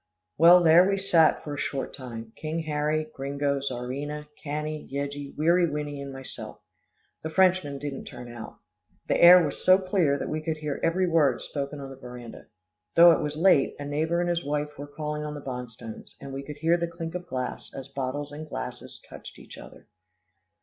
Well, there we sat for a short time King Harry, Gringo, Czarina, Cannie, Yeggie, Weary Winnie and myself. The Frenchmen didn't turn out. The air was so clear that we could hear every word spoken on the veranda. Though it was late, a neighbour and his wife were calling on the Bonstones, and we could hear the clink of glass, as bottles and glasses touched each other.